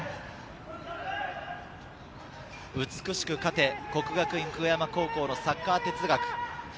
「美しく勝て」、國學院久我山高校のサッカー哲学。